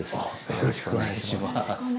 よろしくお願いします。